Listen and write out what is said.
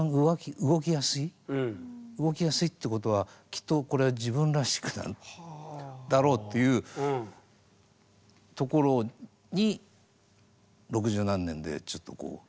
動きやすいってことはきっとこれは自分らしくなんだろうっていうところに六十何年でちょっとこう。